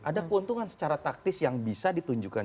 ada keuntungan secara taktis yang bisa ditunjukkan